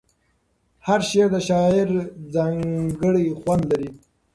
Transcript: هر شعر د شاعر ځانګړی خوند لري.